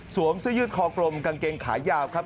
เสื้อยืดคอกลมกางเกงขายาวครับ